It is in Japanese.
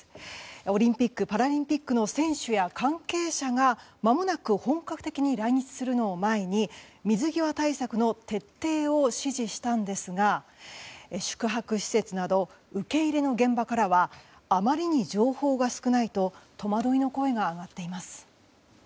オリンピック・パラリンピックの選手や関係者がまもなく本格的に来日するのを前に水際対策の徹底を指示したんですが宿泊施設など受け入れの現場からはあまりに情報が少ないと戸惑いの声が上がっています。